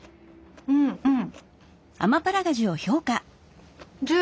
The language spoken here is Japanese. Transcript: うんうん！